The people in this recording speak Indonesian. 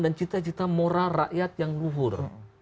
dan cita cita moral rakyat yang luhur